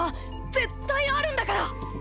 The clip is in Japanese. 絶対あるんだから！